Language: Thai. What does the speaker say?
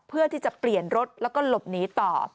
เพื่อที่จะเปลี่ยนรถแล้วก็หลบหนีต่อ